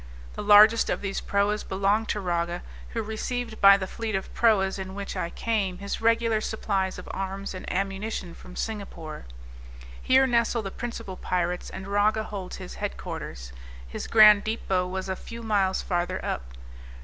The largest of these proas belonged to Raga, who received by the fleet of proas, in which I came, his regular supplies of arms and ammunition from Singapore. Here nestle the principal pirates, and Raga holds his head quarters; his grand depot was a few miles farther up.